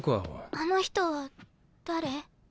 あの人は誰？